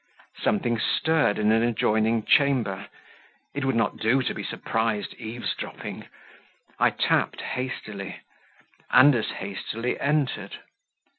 Something stirred in an adjoining chamber; it would not do to be surprised eaves dropping; I tapped hastily, and as hastily entered.